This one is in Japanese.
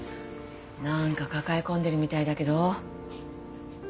なんか抱え込んでるみたいだけど。